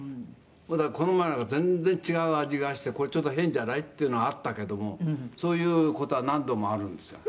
「だからこの前なんか全然違う味がしてこれちょっと変じゃない？っていうのがあったけどもそういう事は何度もあるんですよ」